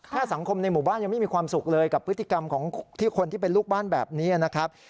สังคมในหมู่บ้านยังไม่มีความสุขเลยกับพฤติกรรมของที่คนที่เป็นลูกบ้านแบบนี้นะครับ